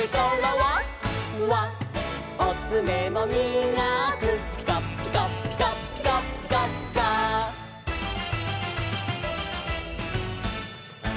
「わっわっおつめもみがく」「ピカピカピカピカピカピカーッ」